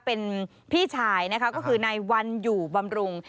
เป็นพี่ชายนะคะก็คือนายวันอยู่บำรุง